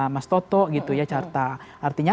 mas toto gitu ya carta artinya